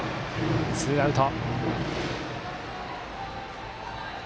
ツーアウト。